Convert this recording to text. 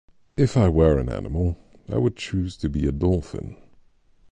If I were an animal, I would choose to be a dolphin.